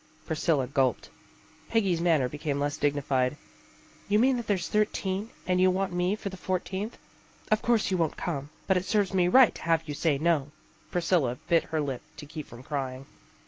Priscilla gulped. Peggy's manner became less dignified. " You mean that there's thirteen and you want me for the fourteenth." " Of course you won't come. But it serves me right to have you say no." Priscilla bit her lip to keep from crying.